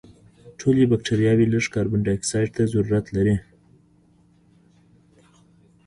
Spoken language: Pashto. ټولې بکټریاوې لږ کاربن دای اکسایډ ته ضرورت لري.